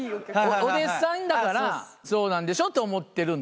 お弟子さんだからそうなんでしょと思ってるんで。